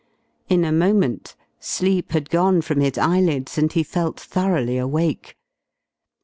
In a moment sleep had gone from his eyelids and he felt thoroughly awake.